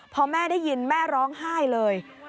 พอแม่ได้ยินแม่ร้องไห้เลย